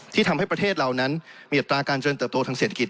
ทำให้ประเทศเรานั้นมีอัตราการเจริญเติบโตทางเศรษฐกิจ